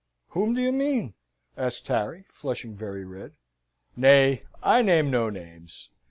"Whom do you mean?" asked Harry, flushing very red. "Nay, I name no names.